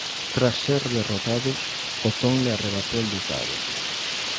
Tras ser derrotados, Otón le arrebató el ducado.